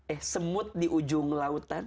eh semut di ujung lautan